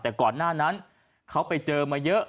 แต่ก่อนหน้านั้นเขาไปเจอมาเยอะ